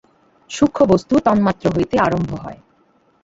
সূক্ষ্মবস্তু তন্মাত্র হইতে আরম্ভ হয়।